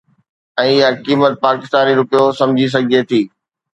۽ اها قيمت پاڪستاني رپيو سمجهي سگهجي ٿي